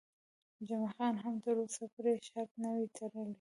جمعه خان هم تر اوسه پرې شرط نه وي تړلی.